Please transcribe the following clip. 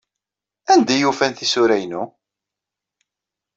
Anda ay ufan tisura-inu?